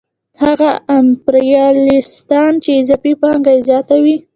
هغه امپریالیستان چې اضافي پانګه یې زیاته وي